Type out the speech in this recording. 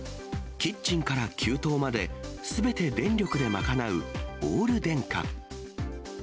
キッチンから給湯まで、すべて電力で賄うオール電化。